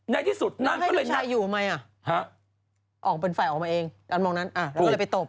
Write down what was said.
ในที่สุดนางก็เลยนางอยู่ทำไมอ่ะออกเป็นฝ่ายออกมาเองดันมองนั้นแล้วก็เลยไปตบ